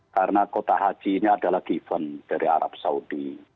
karena kota haji ini adalah given dari arab saudi